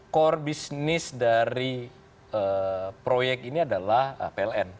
core business dari proyek ini adalah pln